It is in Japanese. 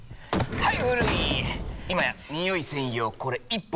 はい！